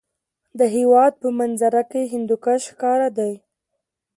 د هېواد په منظره کې هندوکش ښکاره دی.